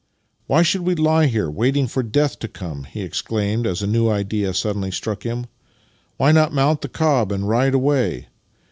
" Why should we lie here, waiting for death to come? " he exclaimed as a new idea suddenly struck him. " Why not mount the cob and ride away?